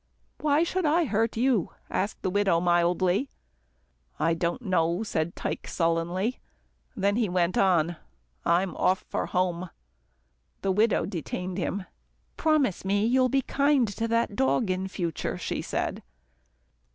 "Why should I hurt you?" asked the widow mildly. "I don't know," said Tike sullenly, then he went on, "I'm off for home." The widow detained him. "Promise me you'll be kind to the dog in future," she said.